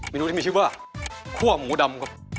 นูที่มีชื่อว่าคั่วหมูดำครับ